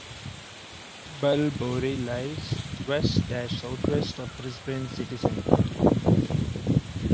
Bellbowrie lies west-southwest of Brisbane's city centre.